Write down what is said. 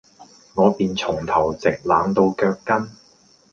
我便從頭直冷到腳跟，